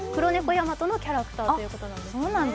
ヤマトのキャラクターということなんですね。